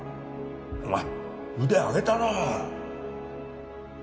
お前腕上げたな！